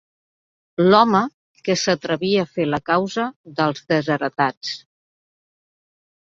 L'home que s'atrevia a fer la causa dels desheretats